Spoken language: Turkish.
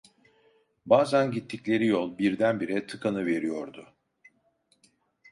Bazan gittikleri yol birdenbire tıkanıveriyordu.